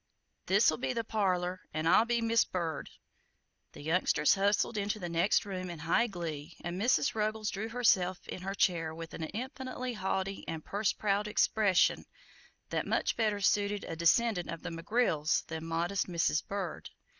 This'll be the parlor 'n I'll be Mis' Bird." The youngsters hustled into the next room in high glee, and Mrs. Ruggles drew herself up in her chair with an infinitely haughty and purse proud expression that much better suited a descendant of the McGrills than modest Mrs. Bird.